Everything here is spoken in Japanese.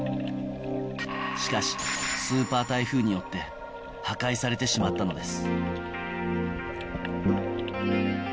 しかしスーパー台風によって破壊されてしまったのです